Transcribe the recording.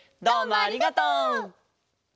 どうもありがとう！